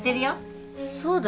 そうだよ